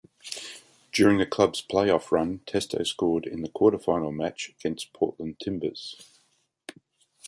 During the club's playoff run Testo scored in the quarterfinal match against Portland Timbers.